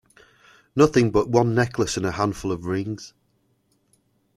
Nothing but the one necklace and a handful of rings!